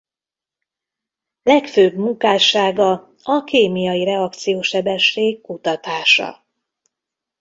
Legfőbb munkássága a kémiai reakciósebesség kutatása.